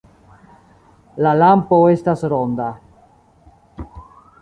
La lampo estas ronda.